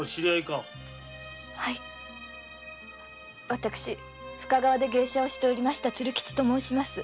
私深川で芸者をしておりました鶴吉と申します。